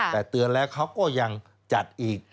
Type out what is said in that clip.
แต่เตือนแล้วเขาก็ยังจัดอีก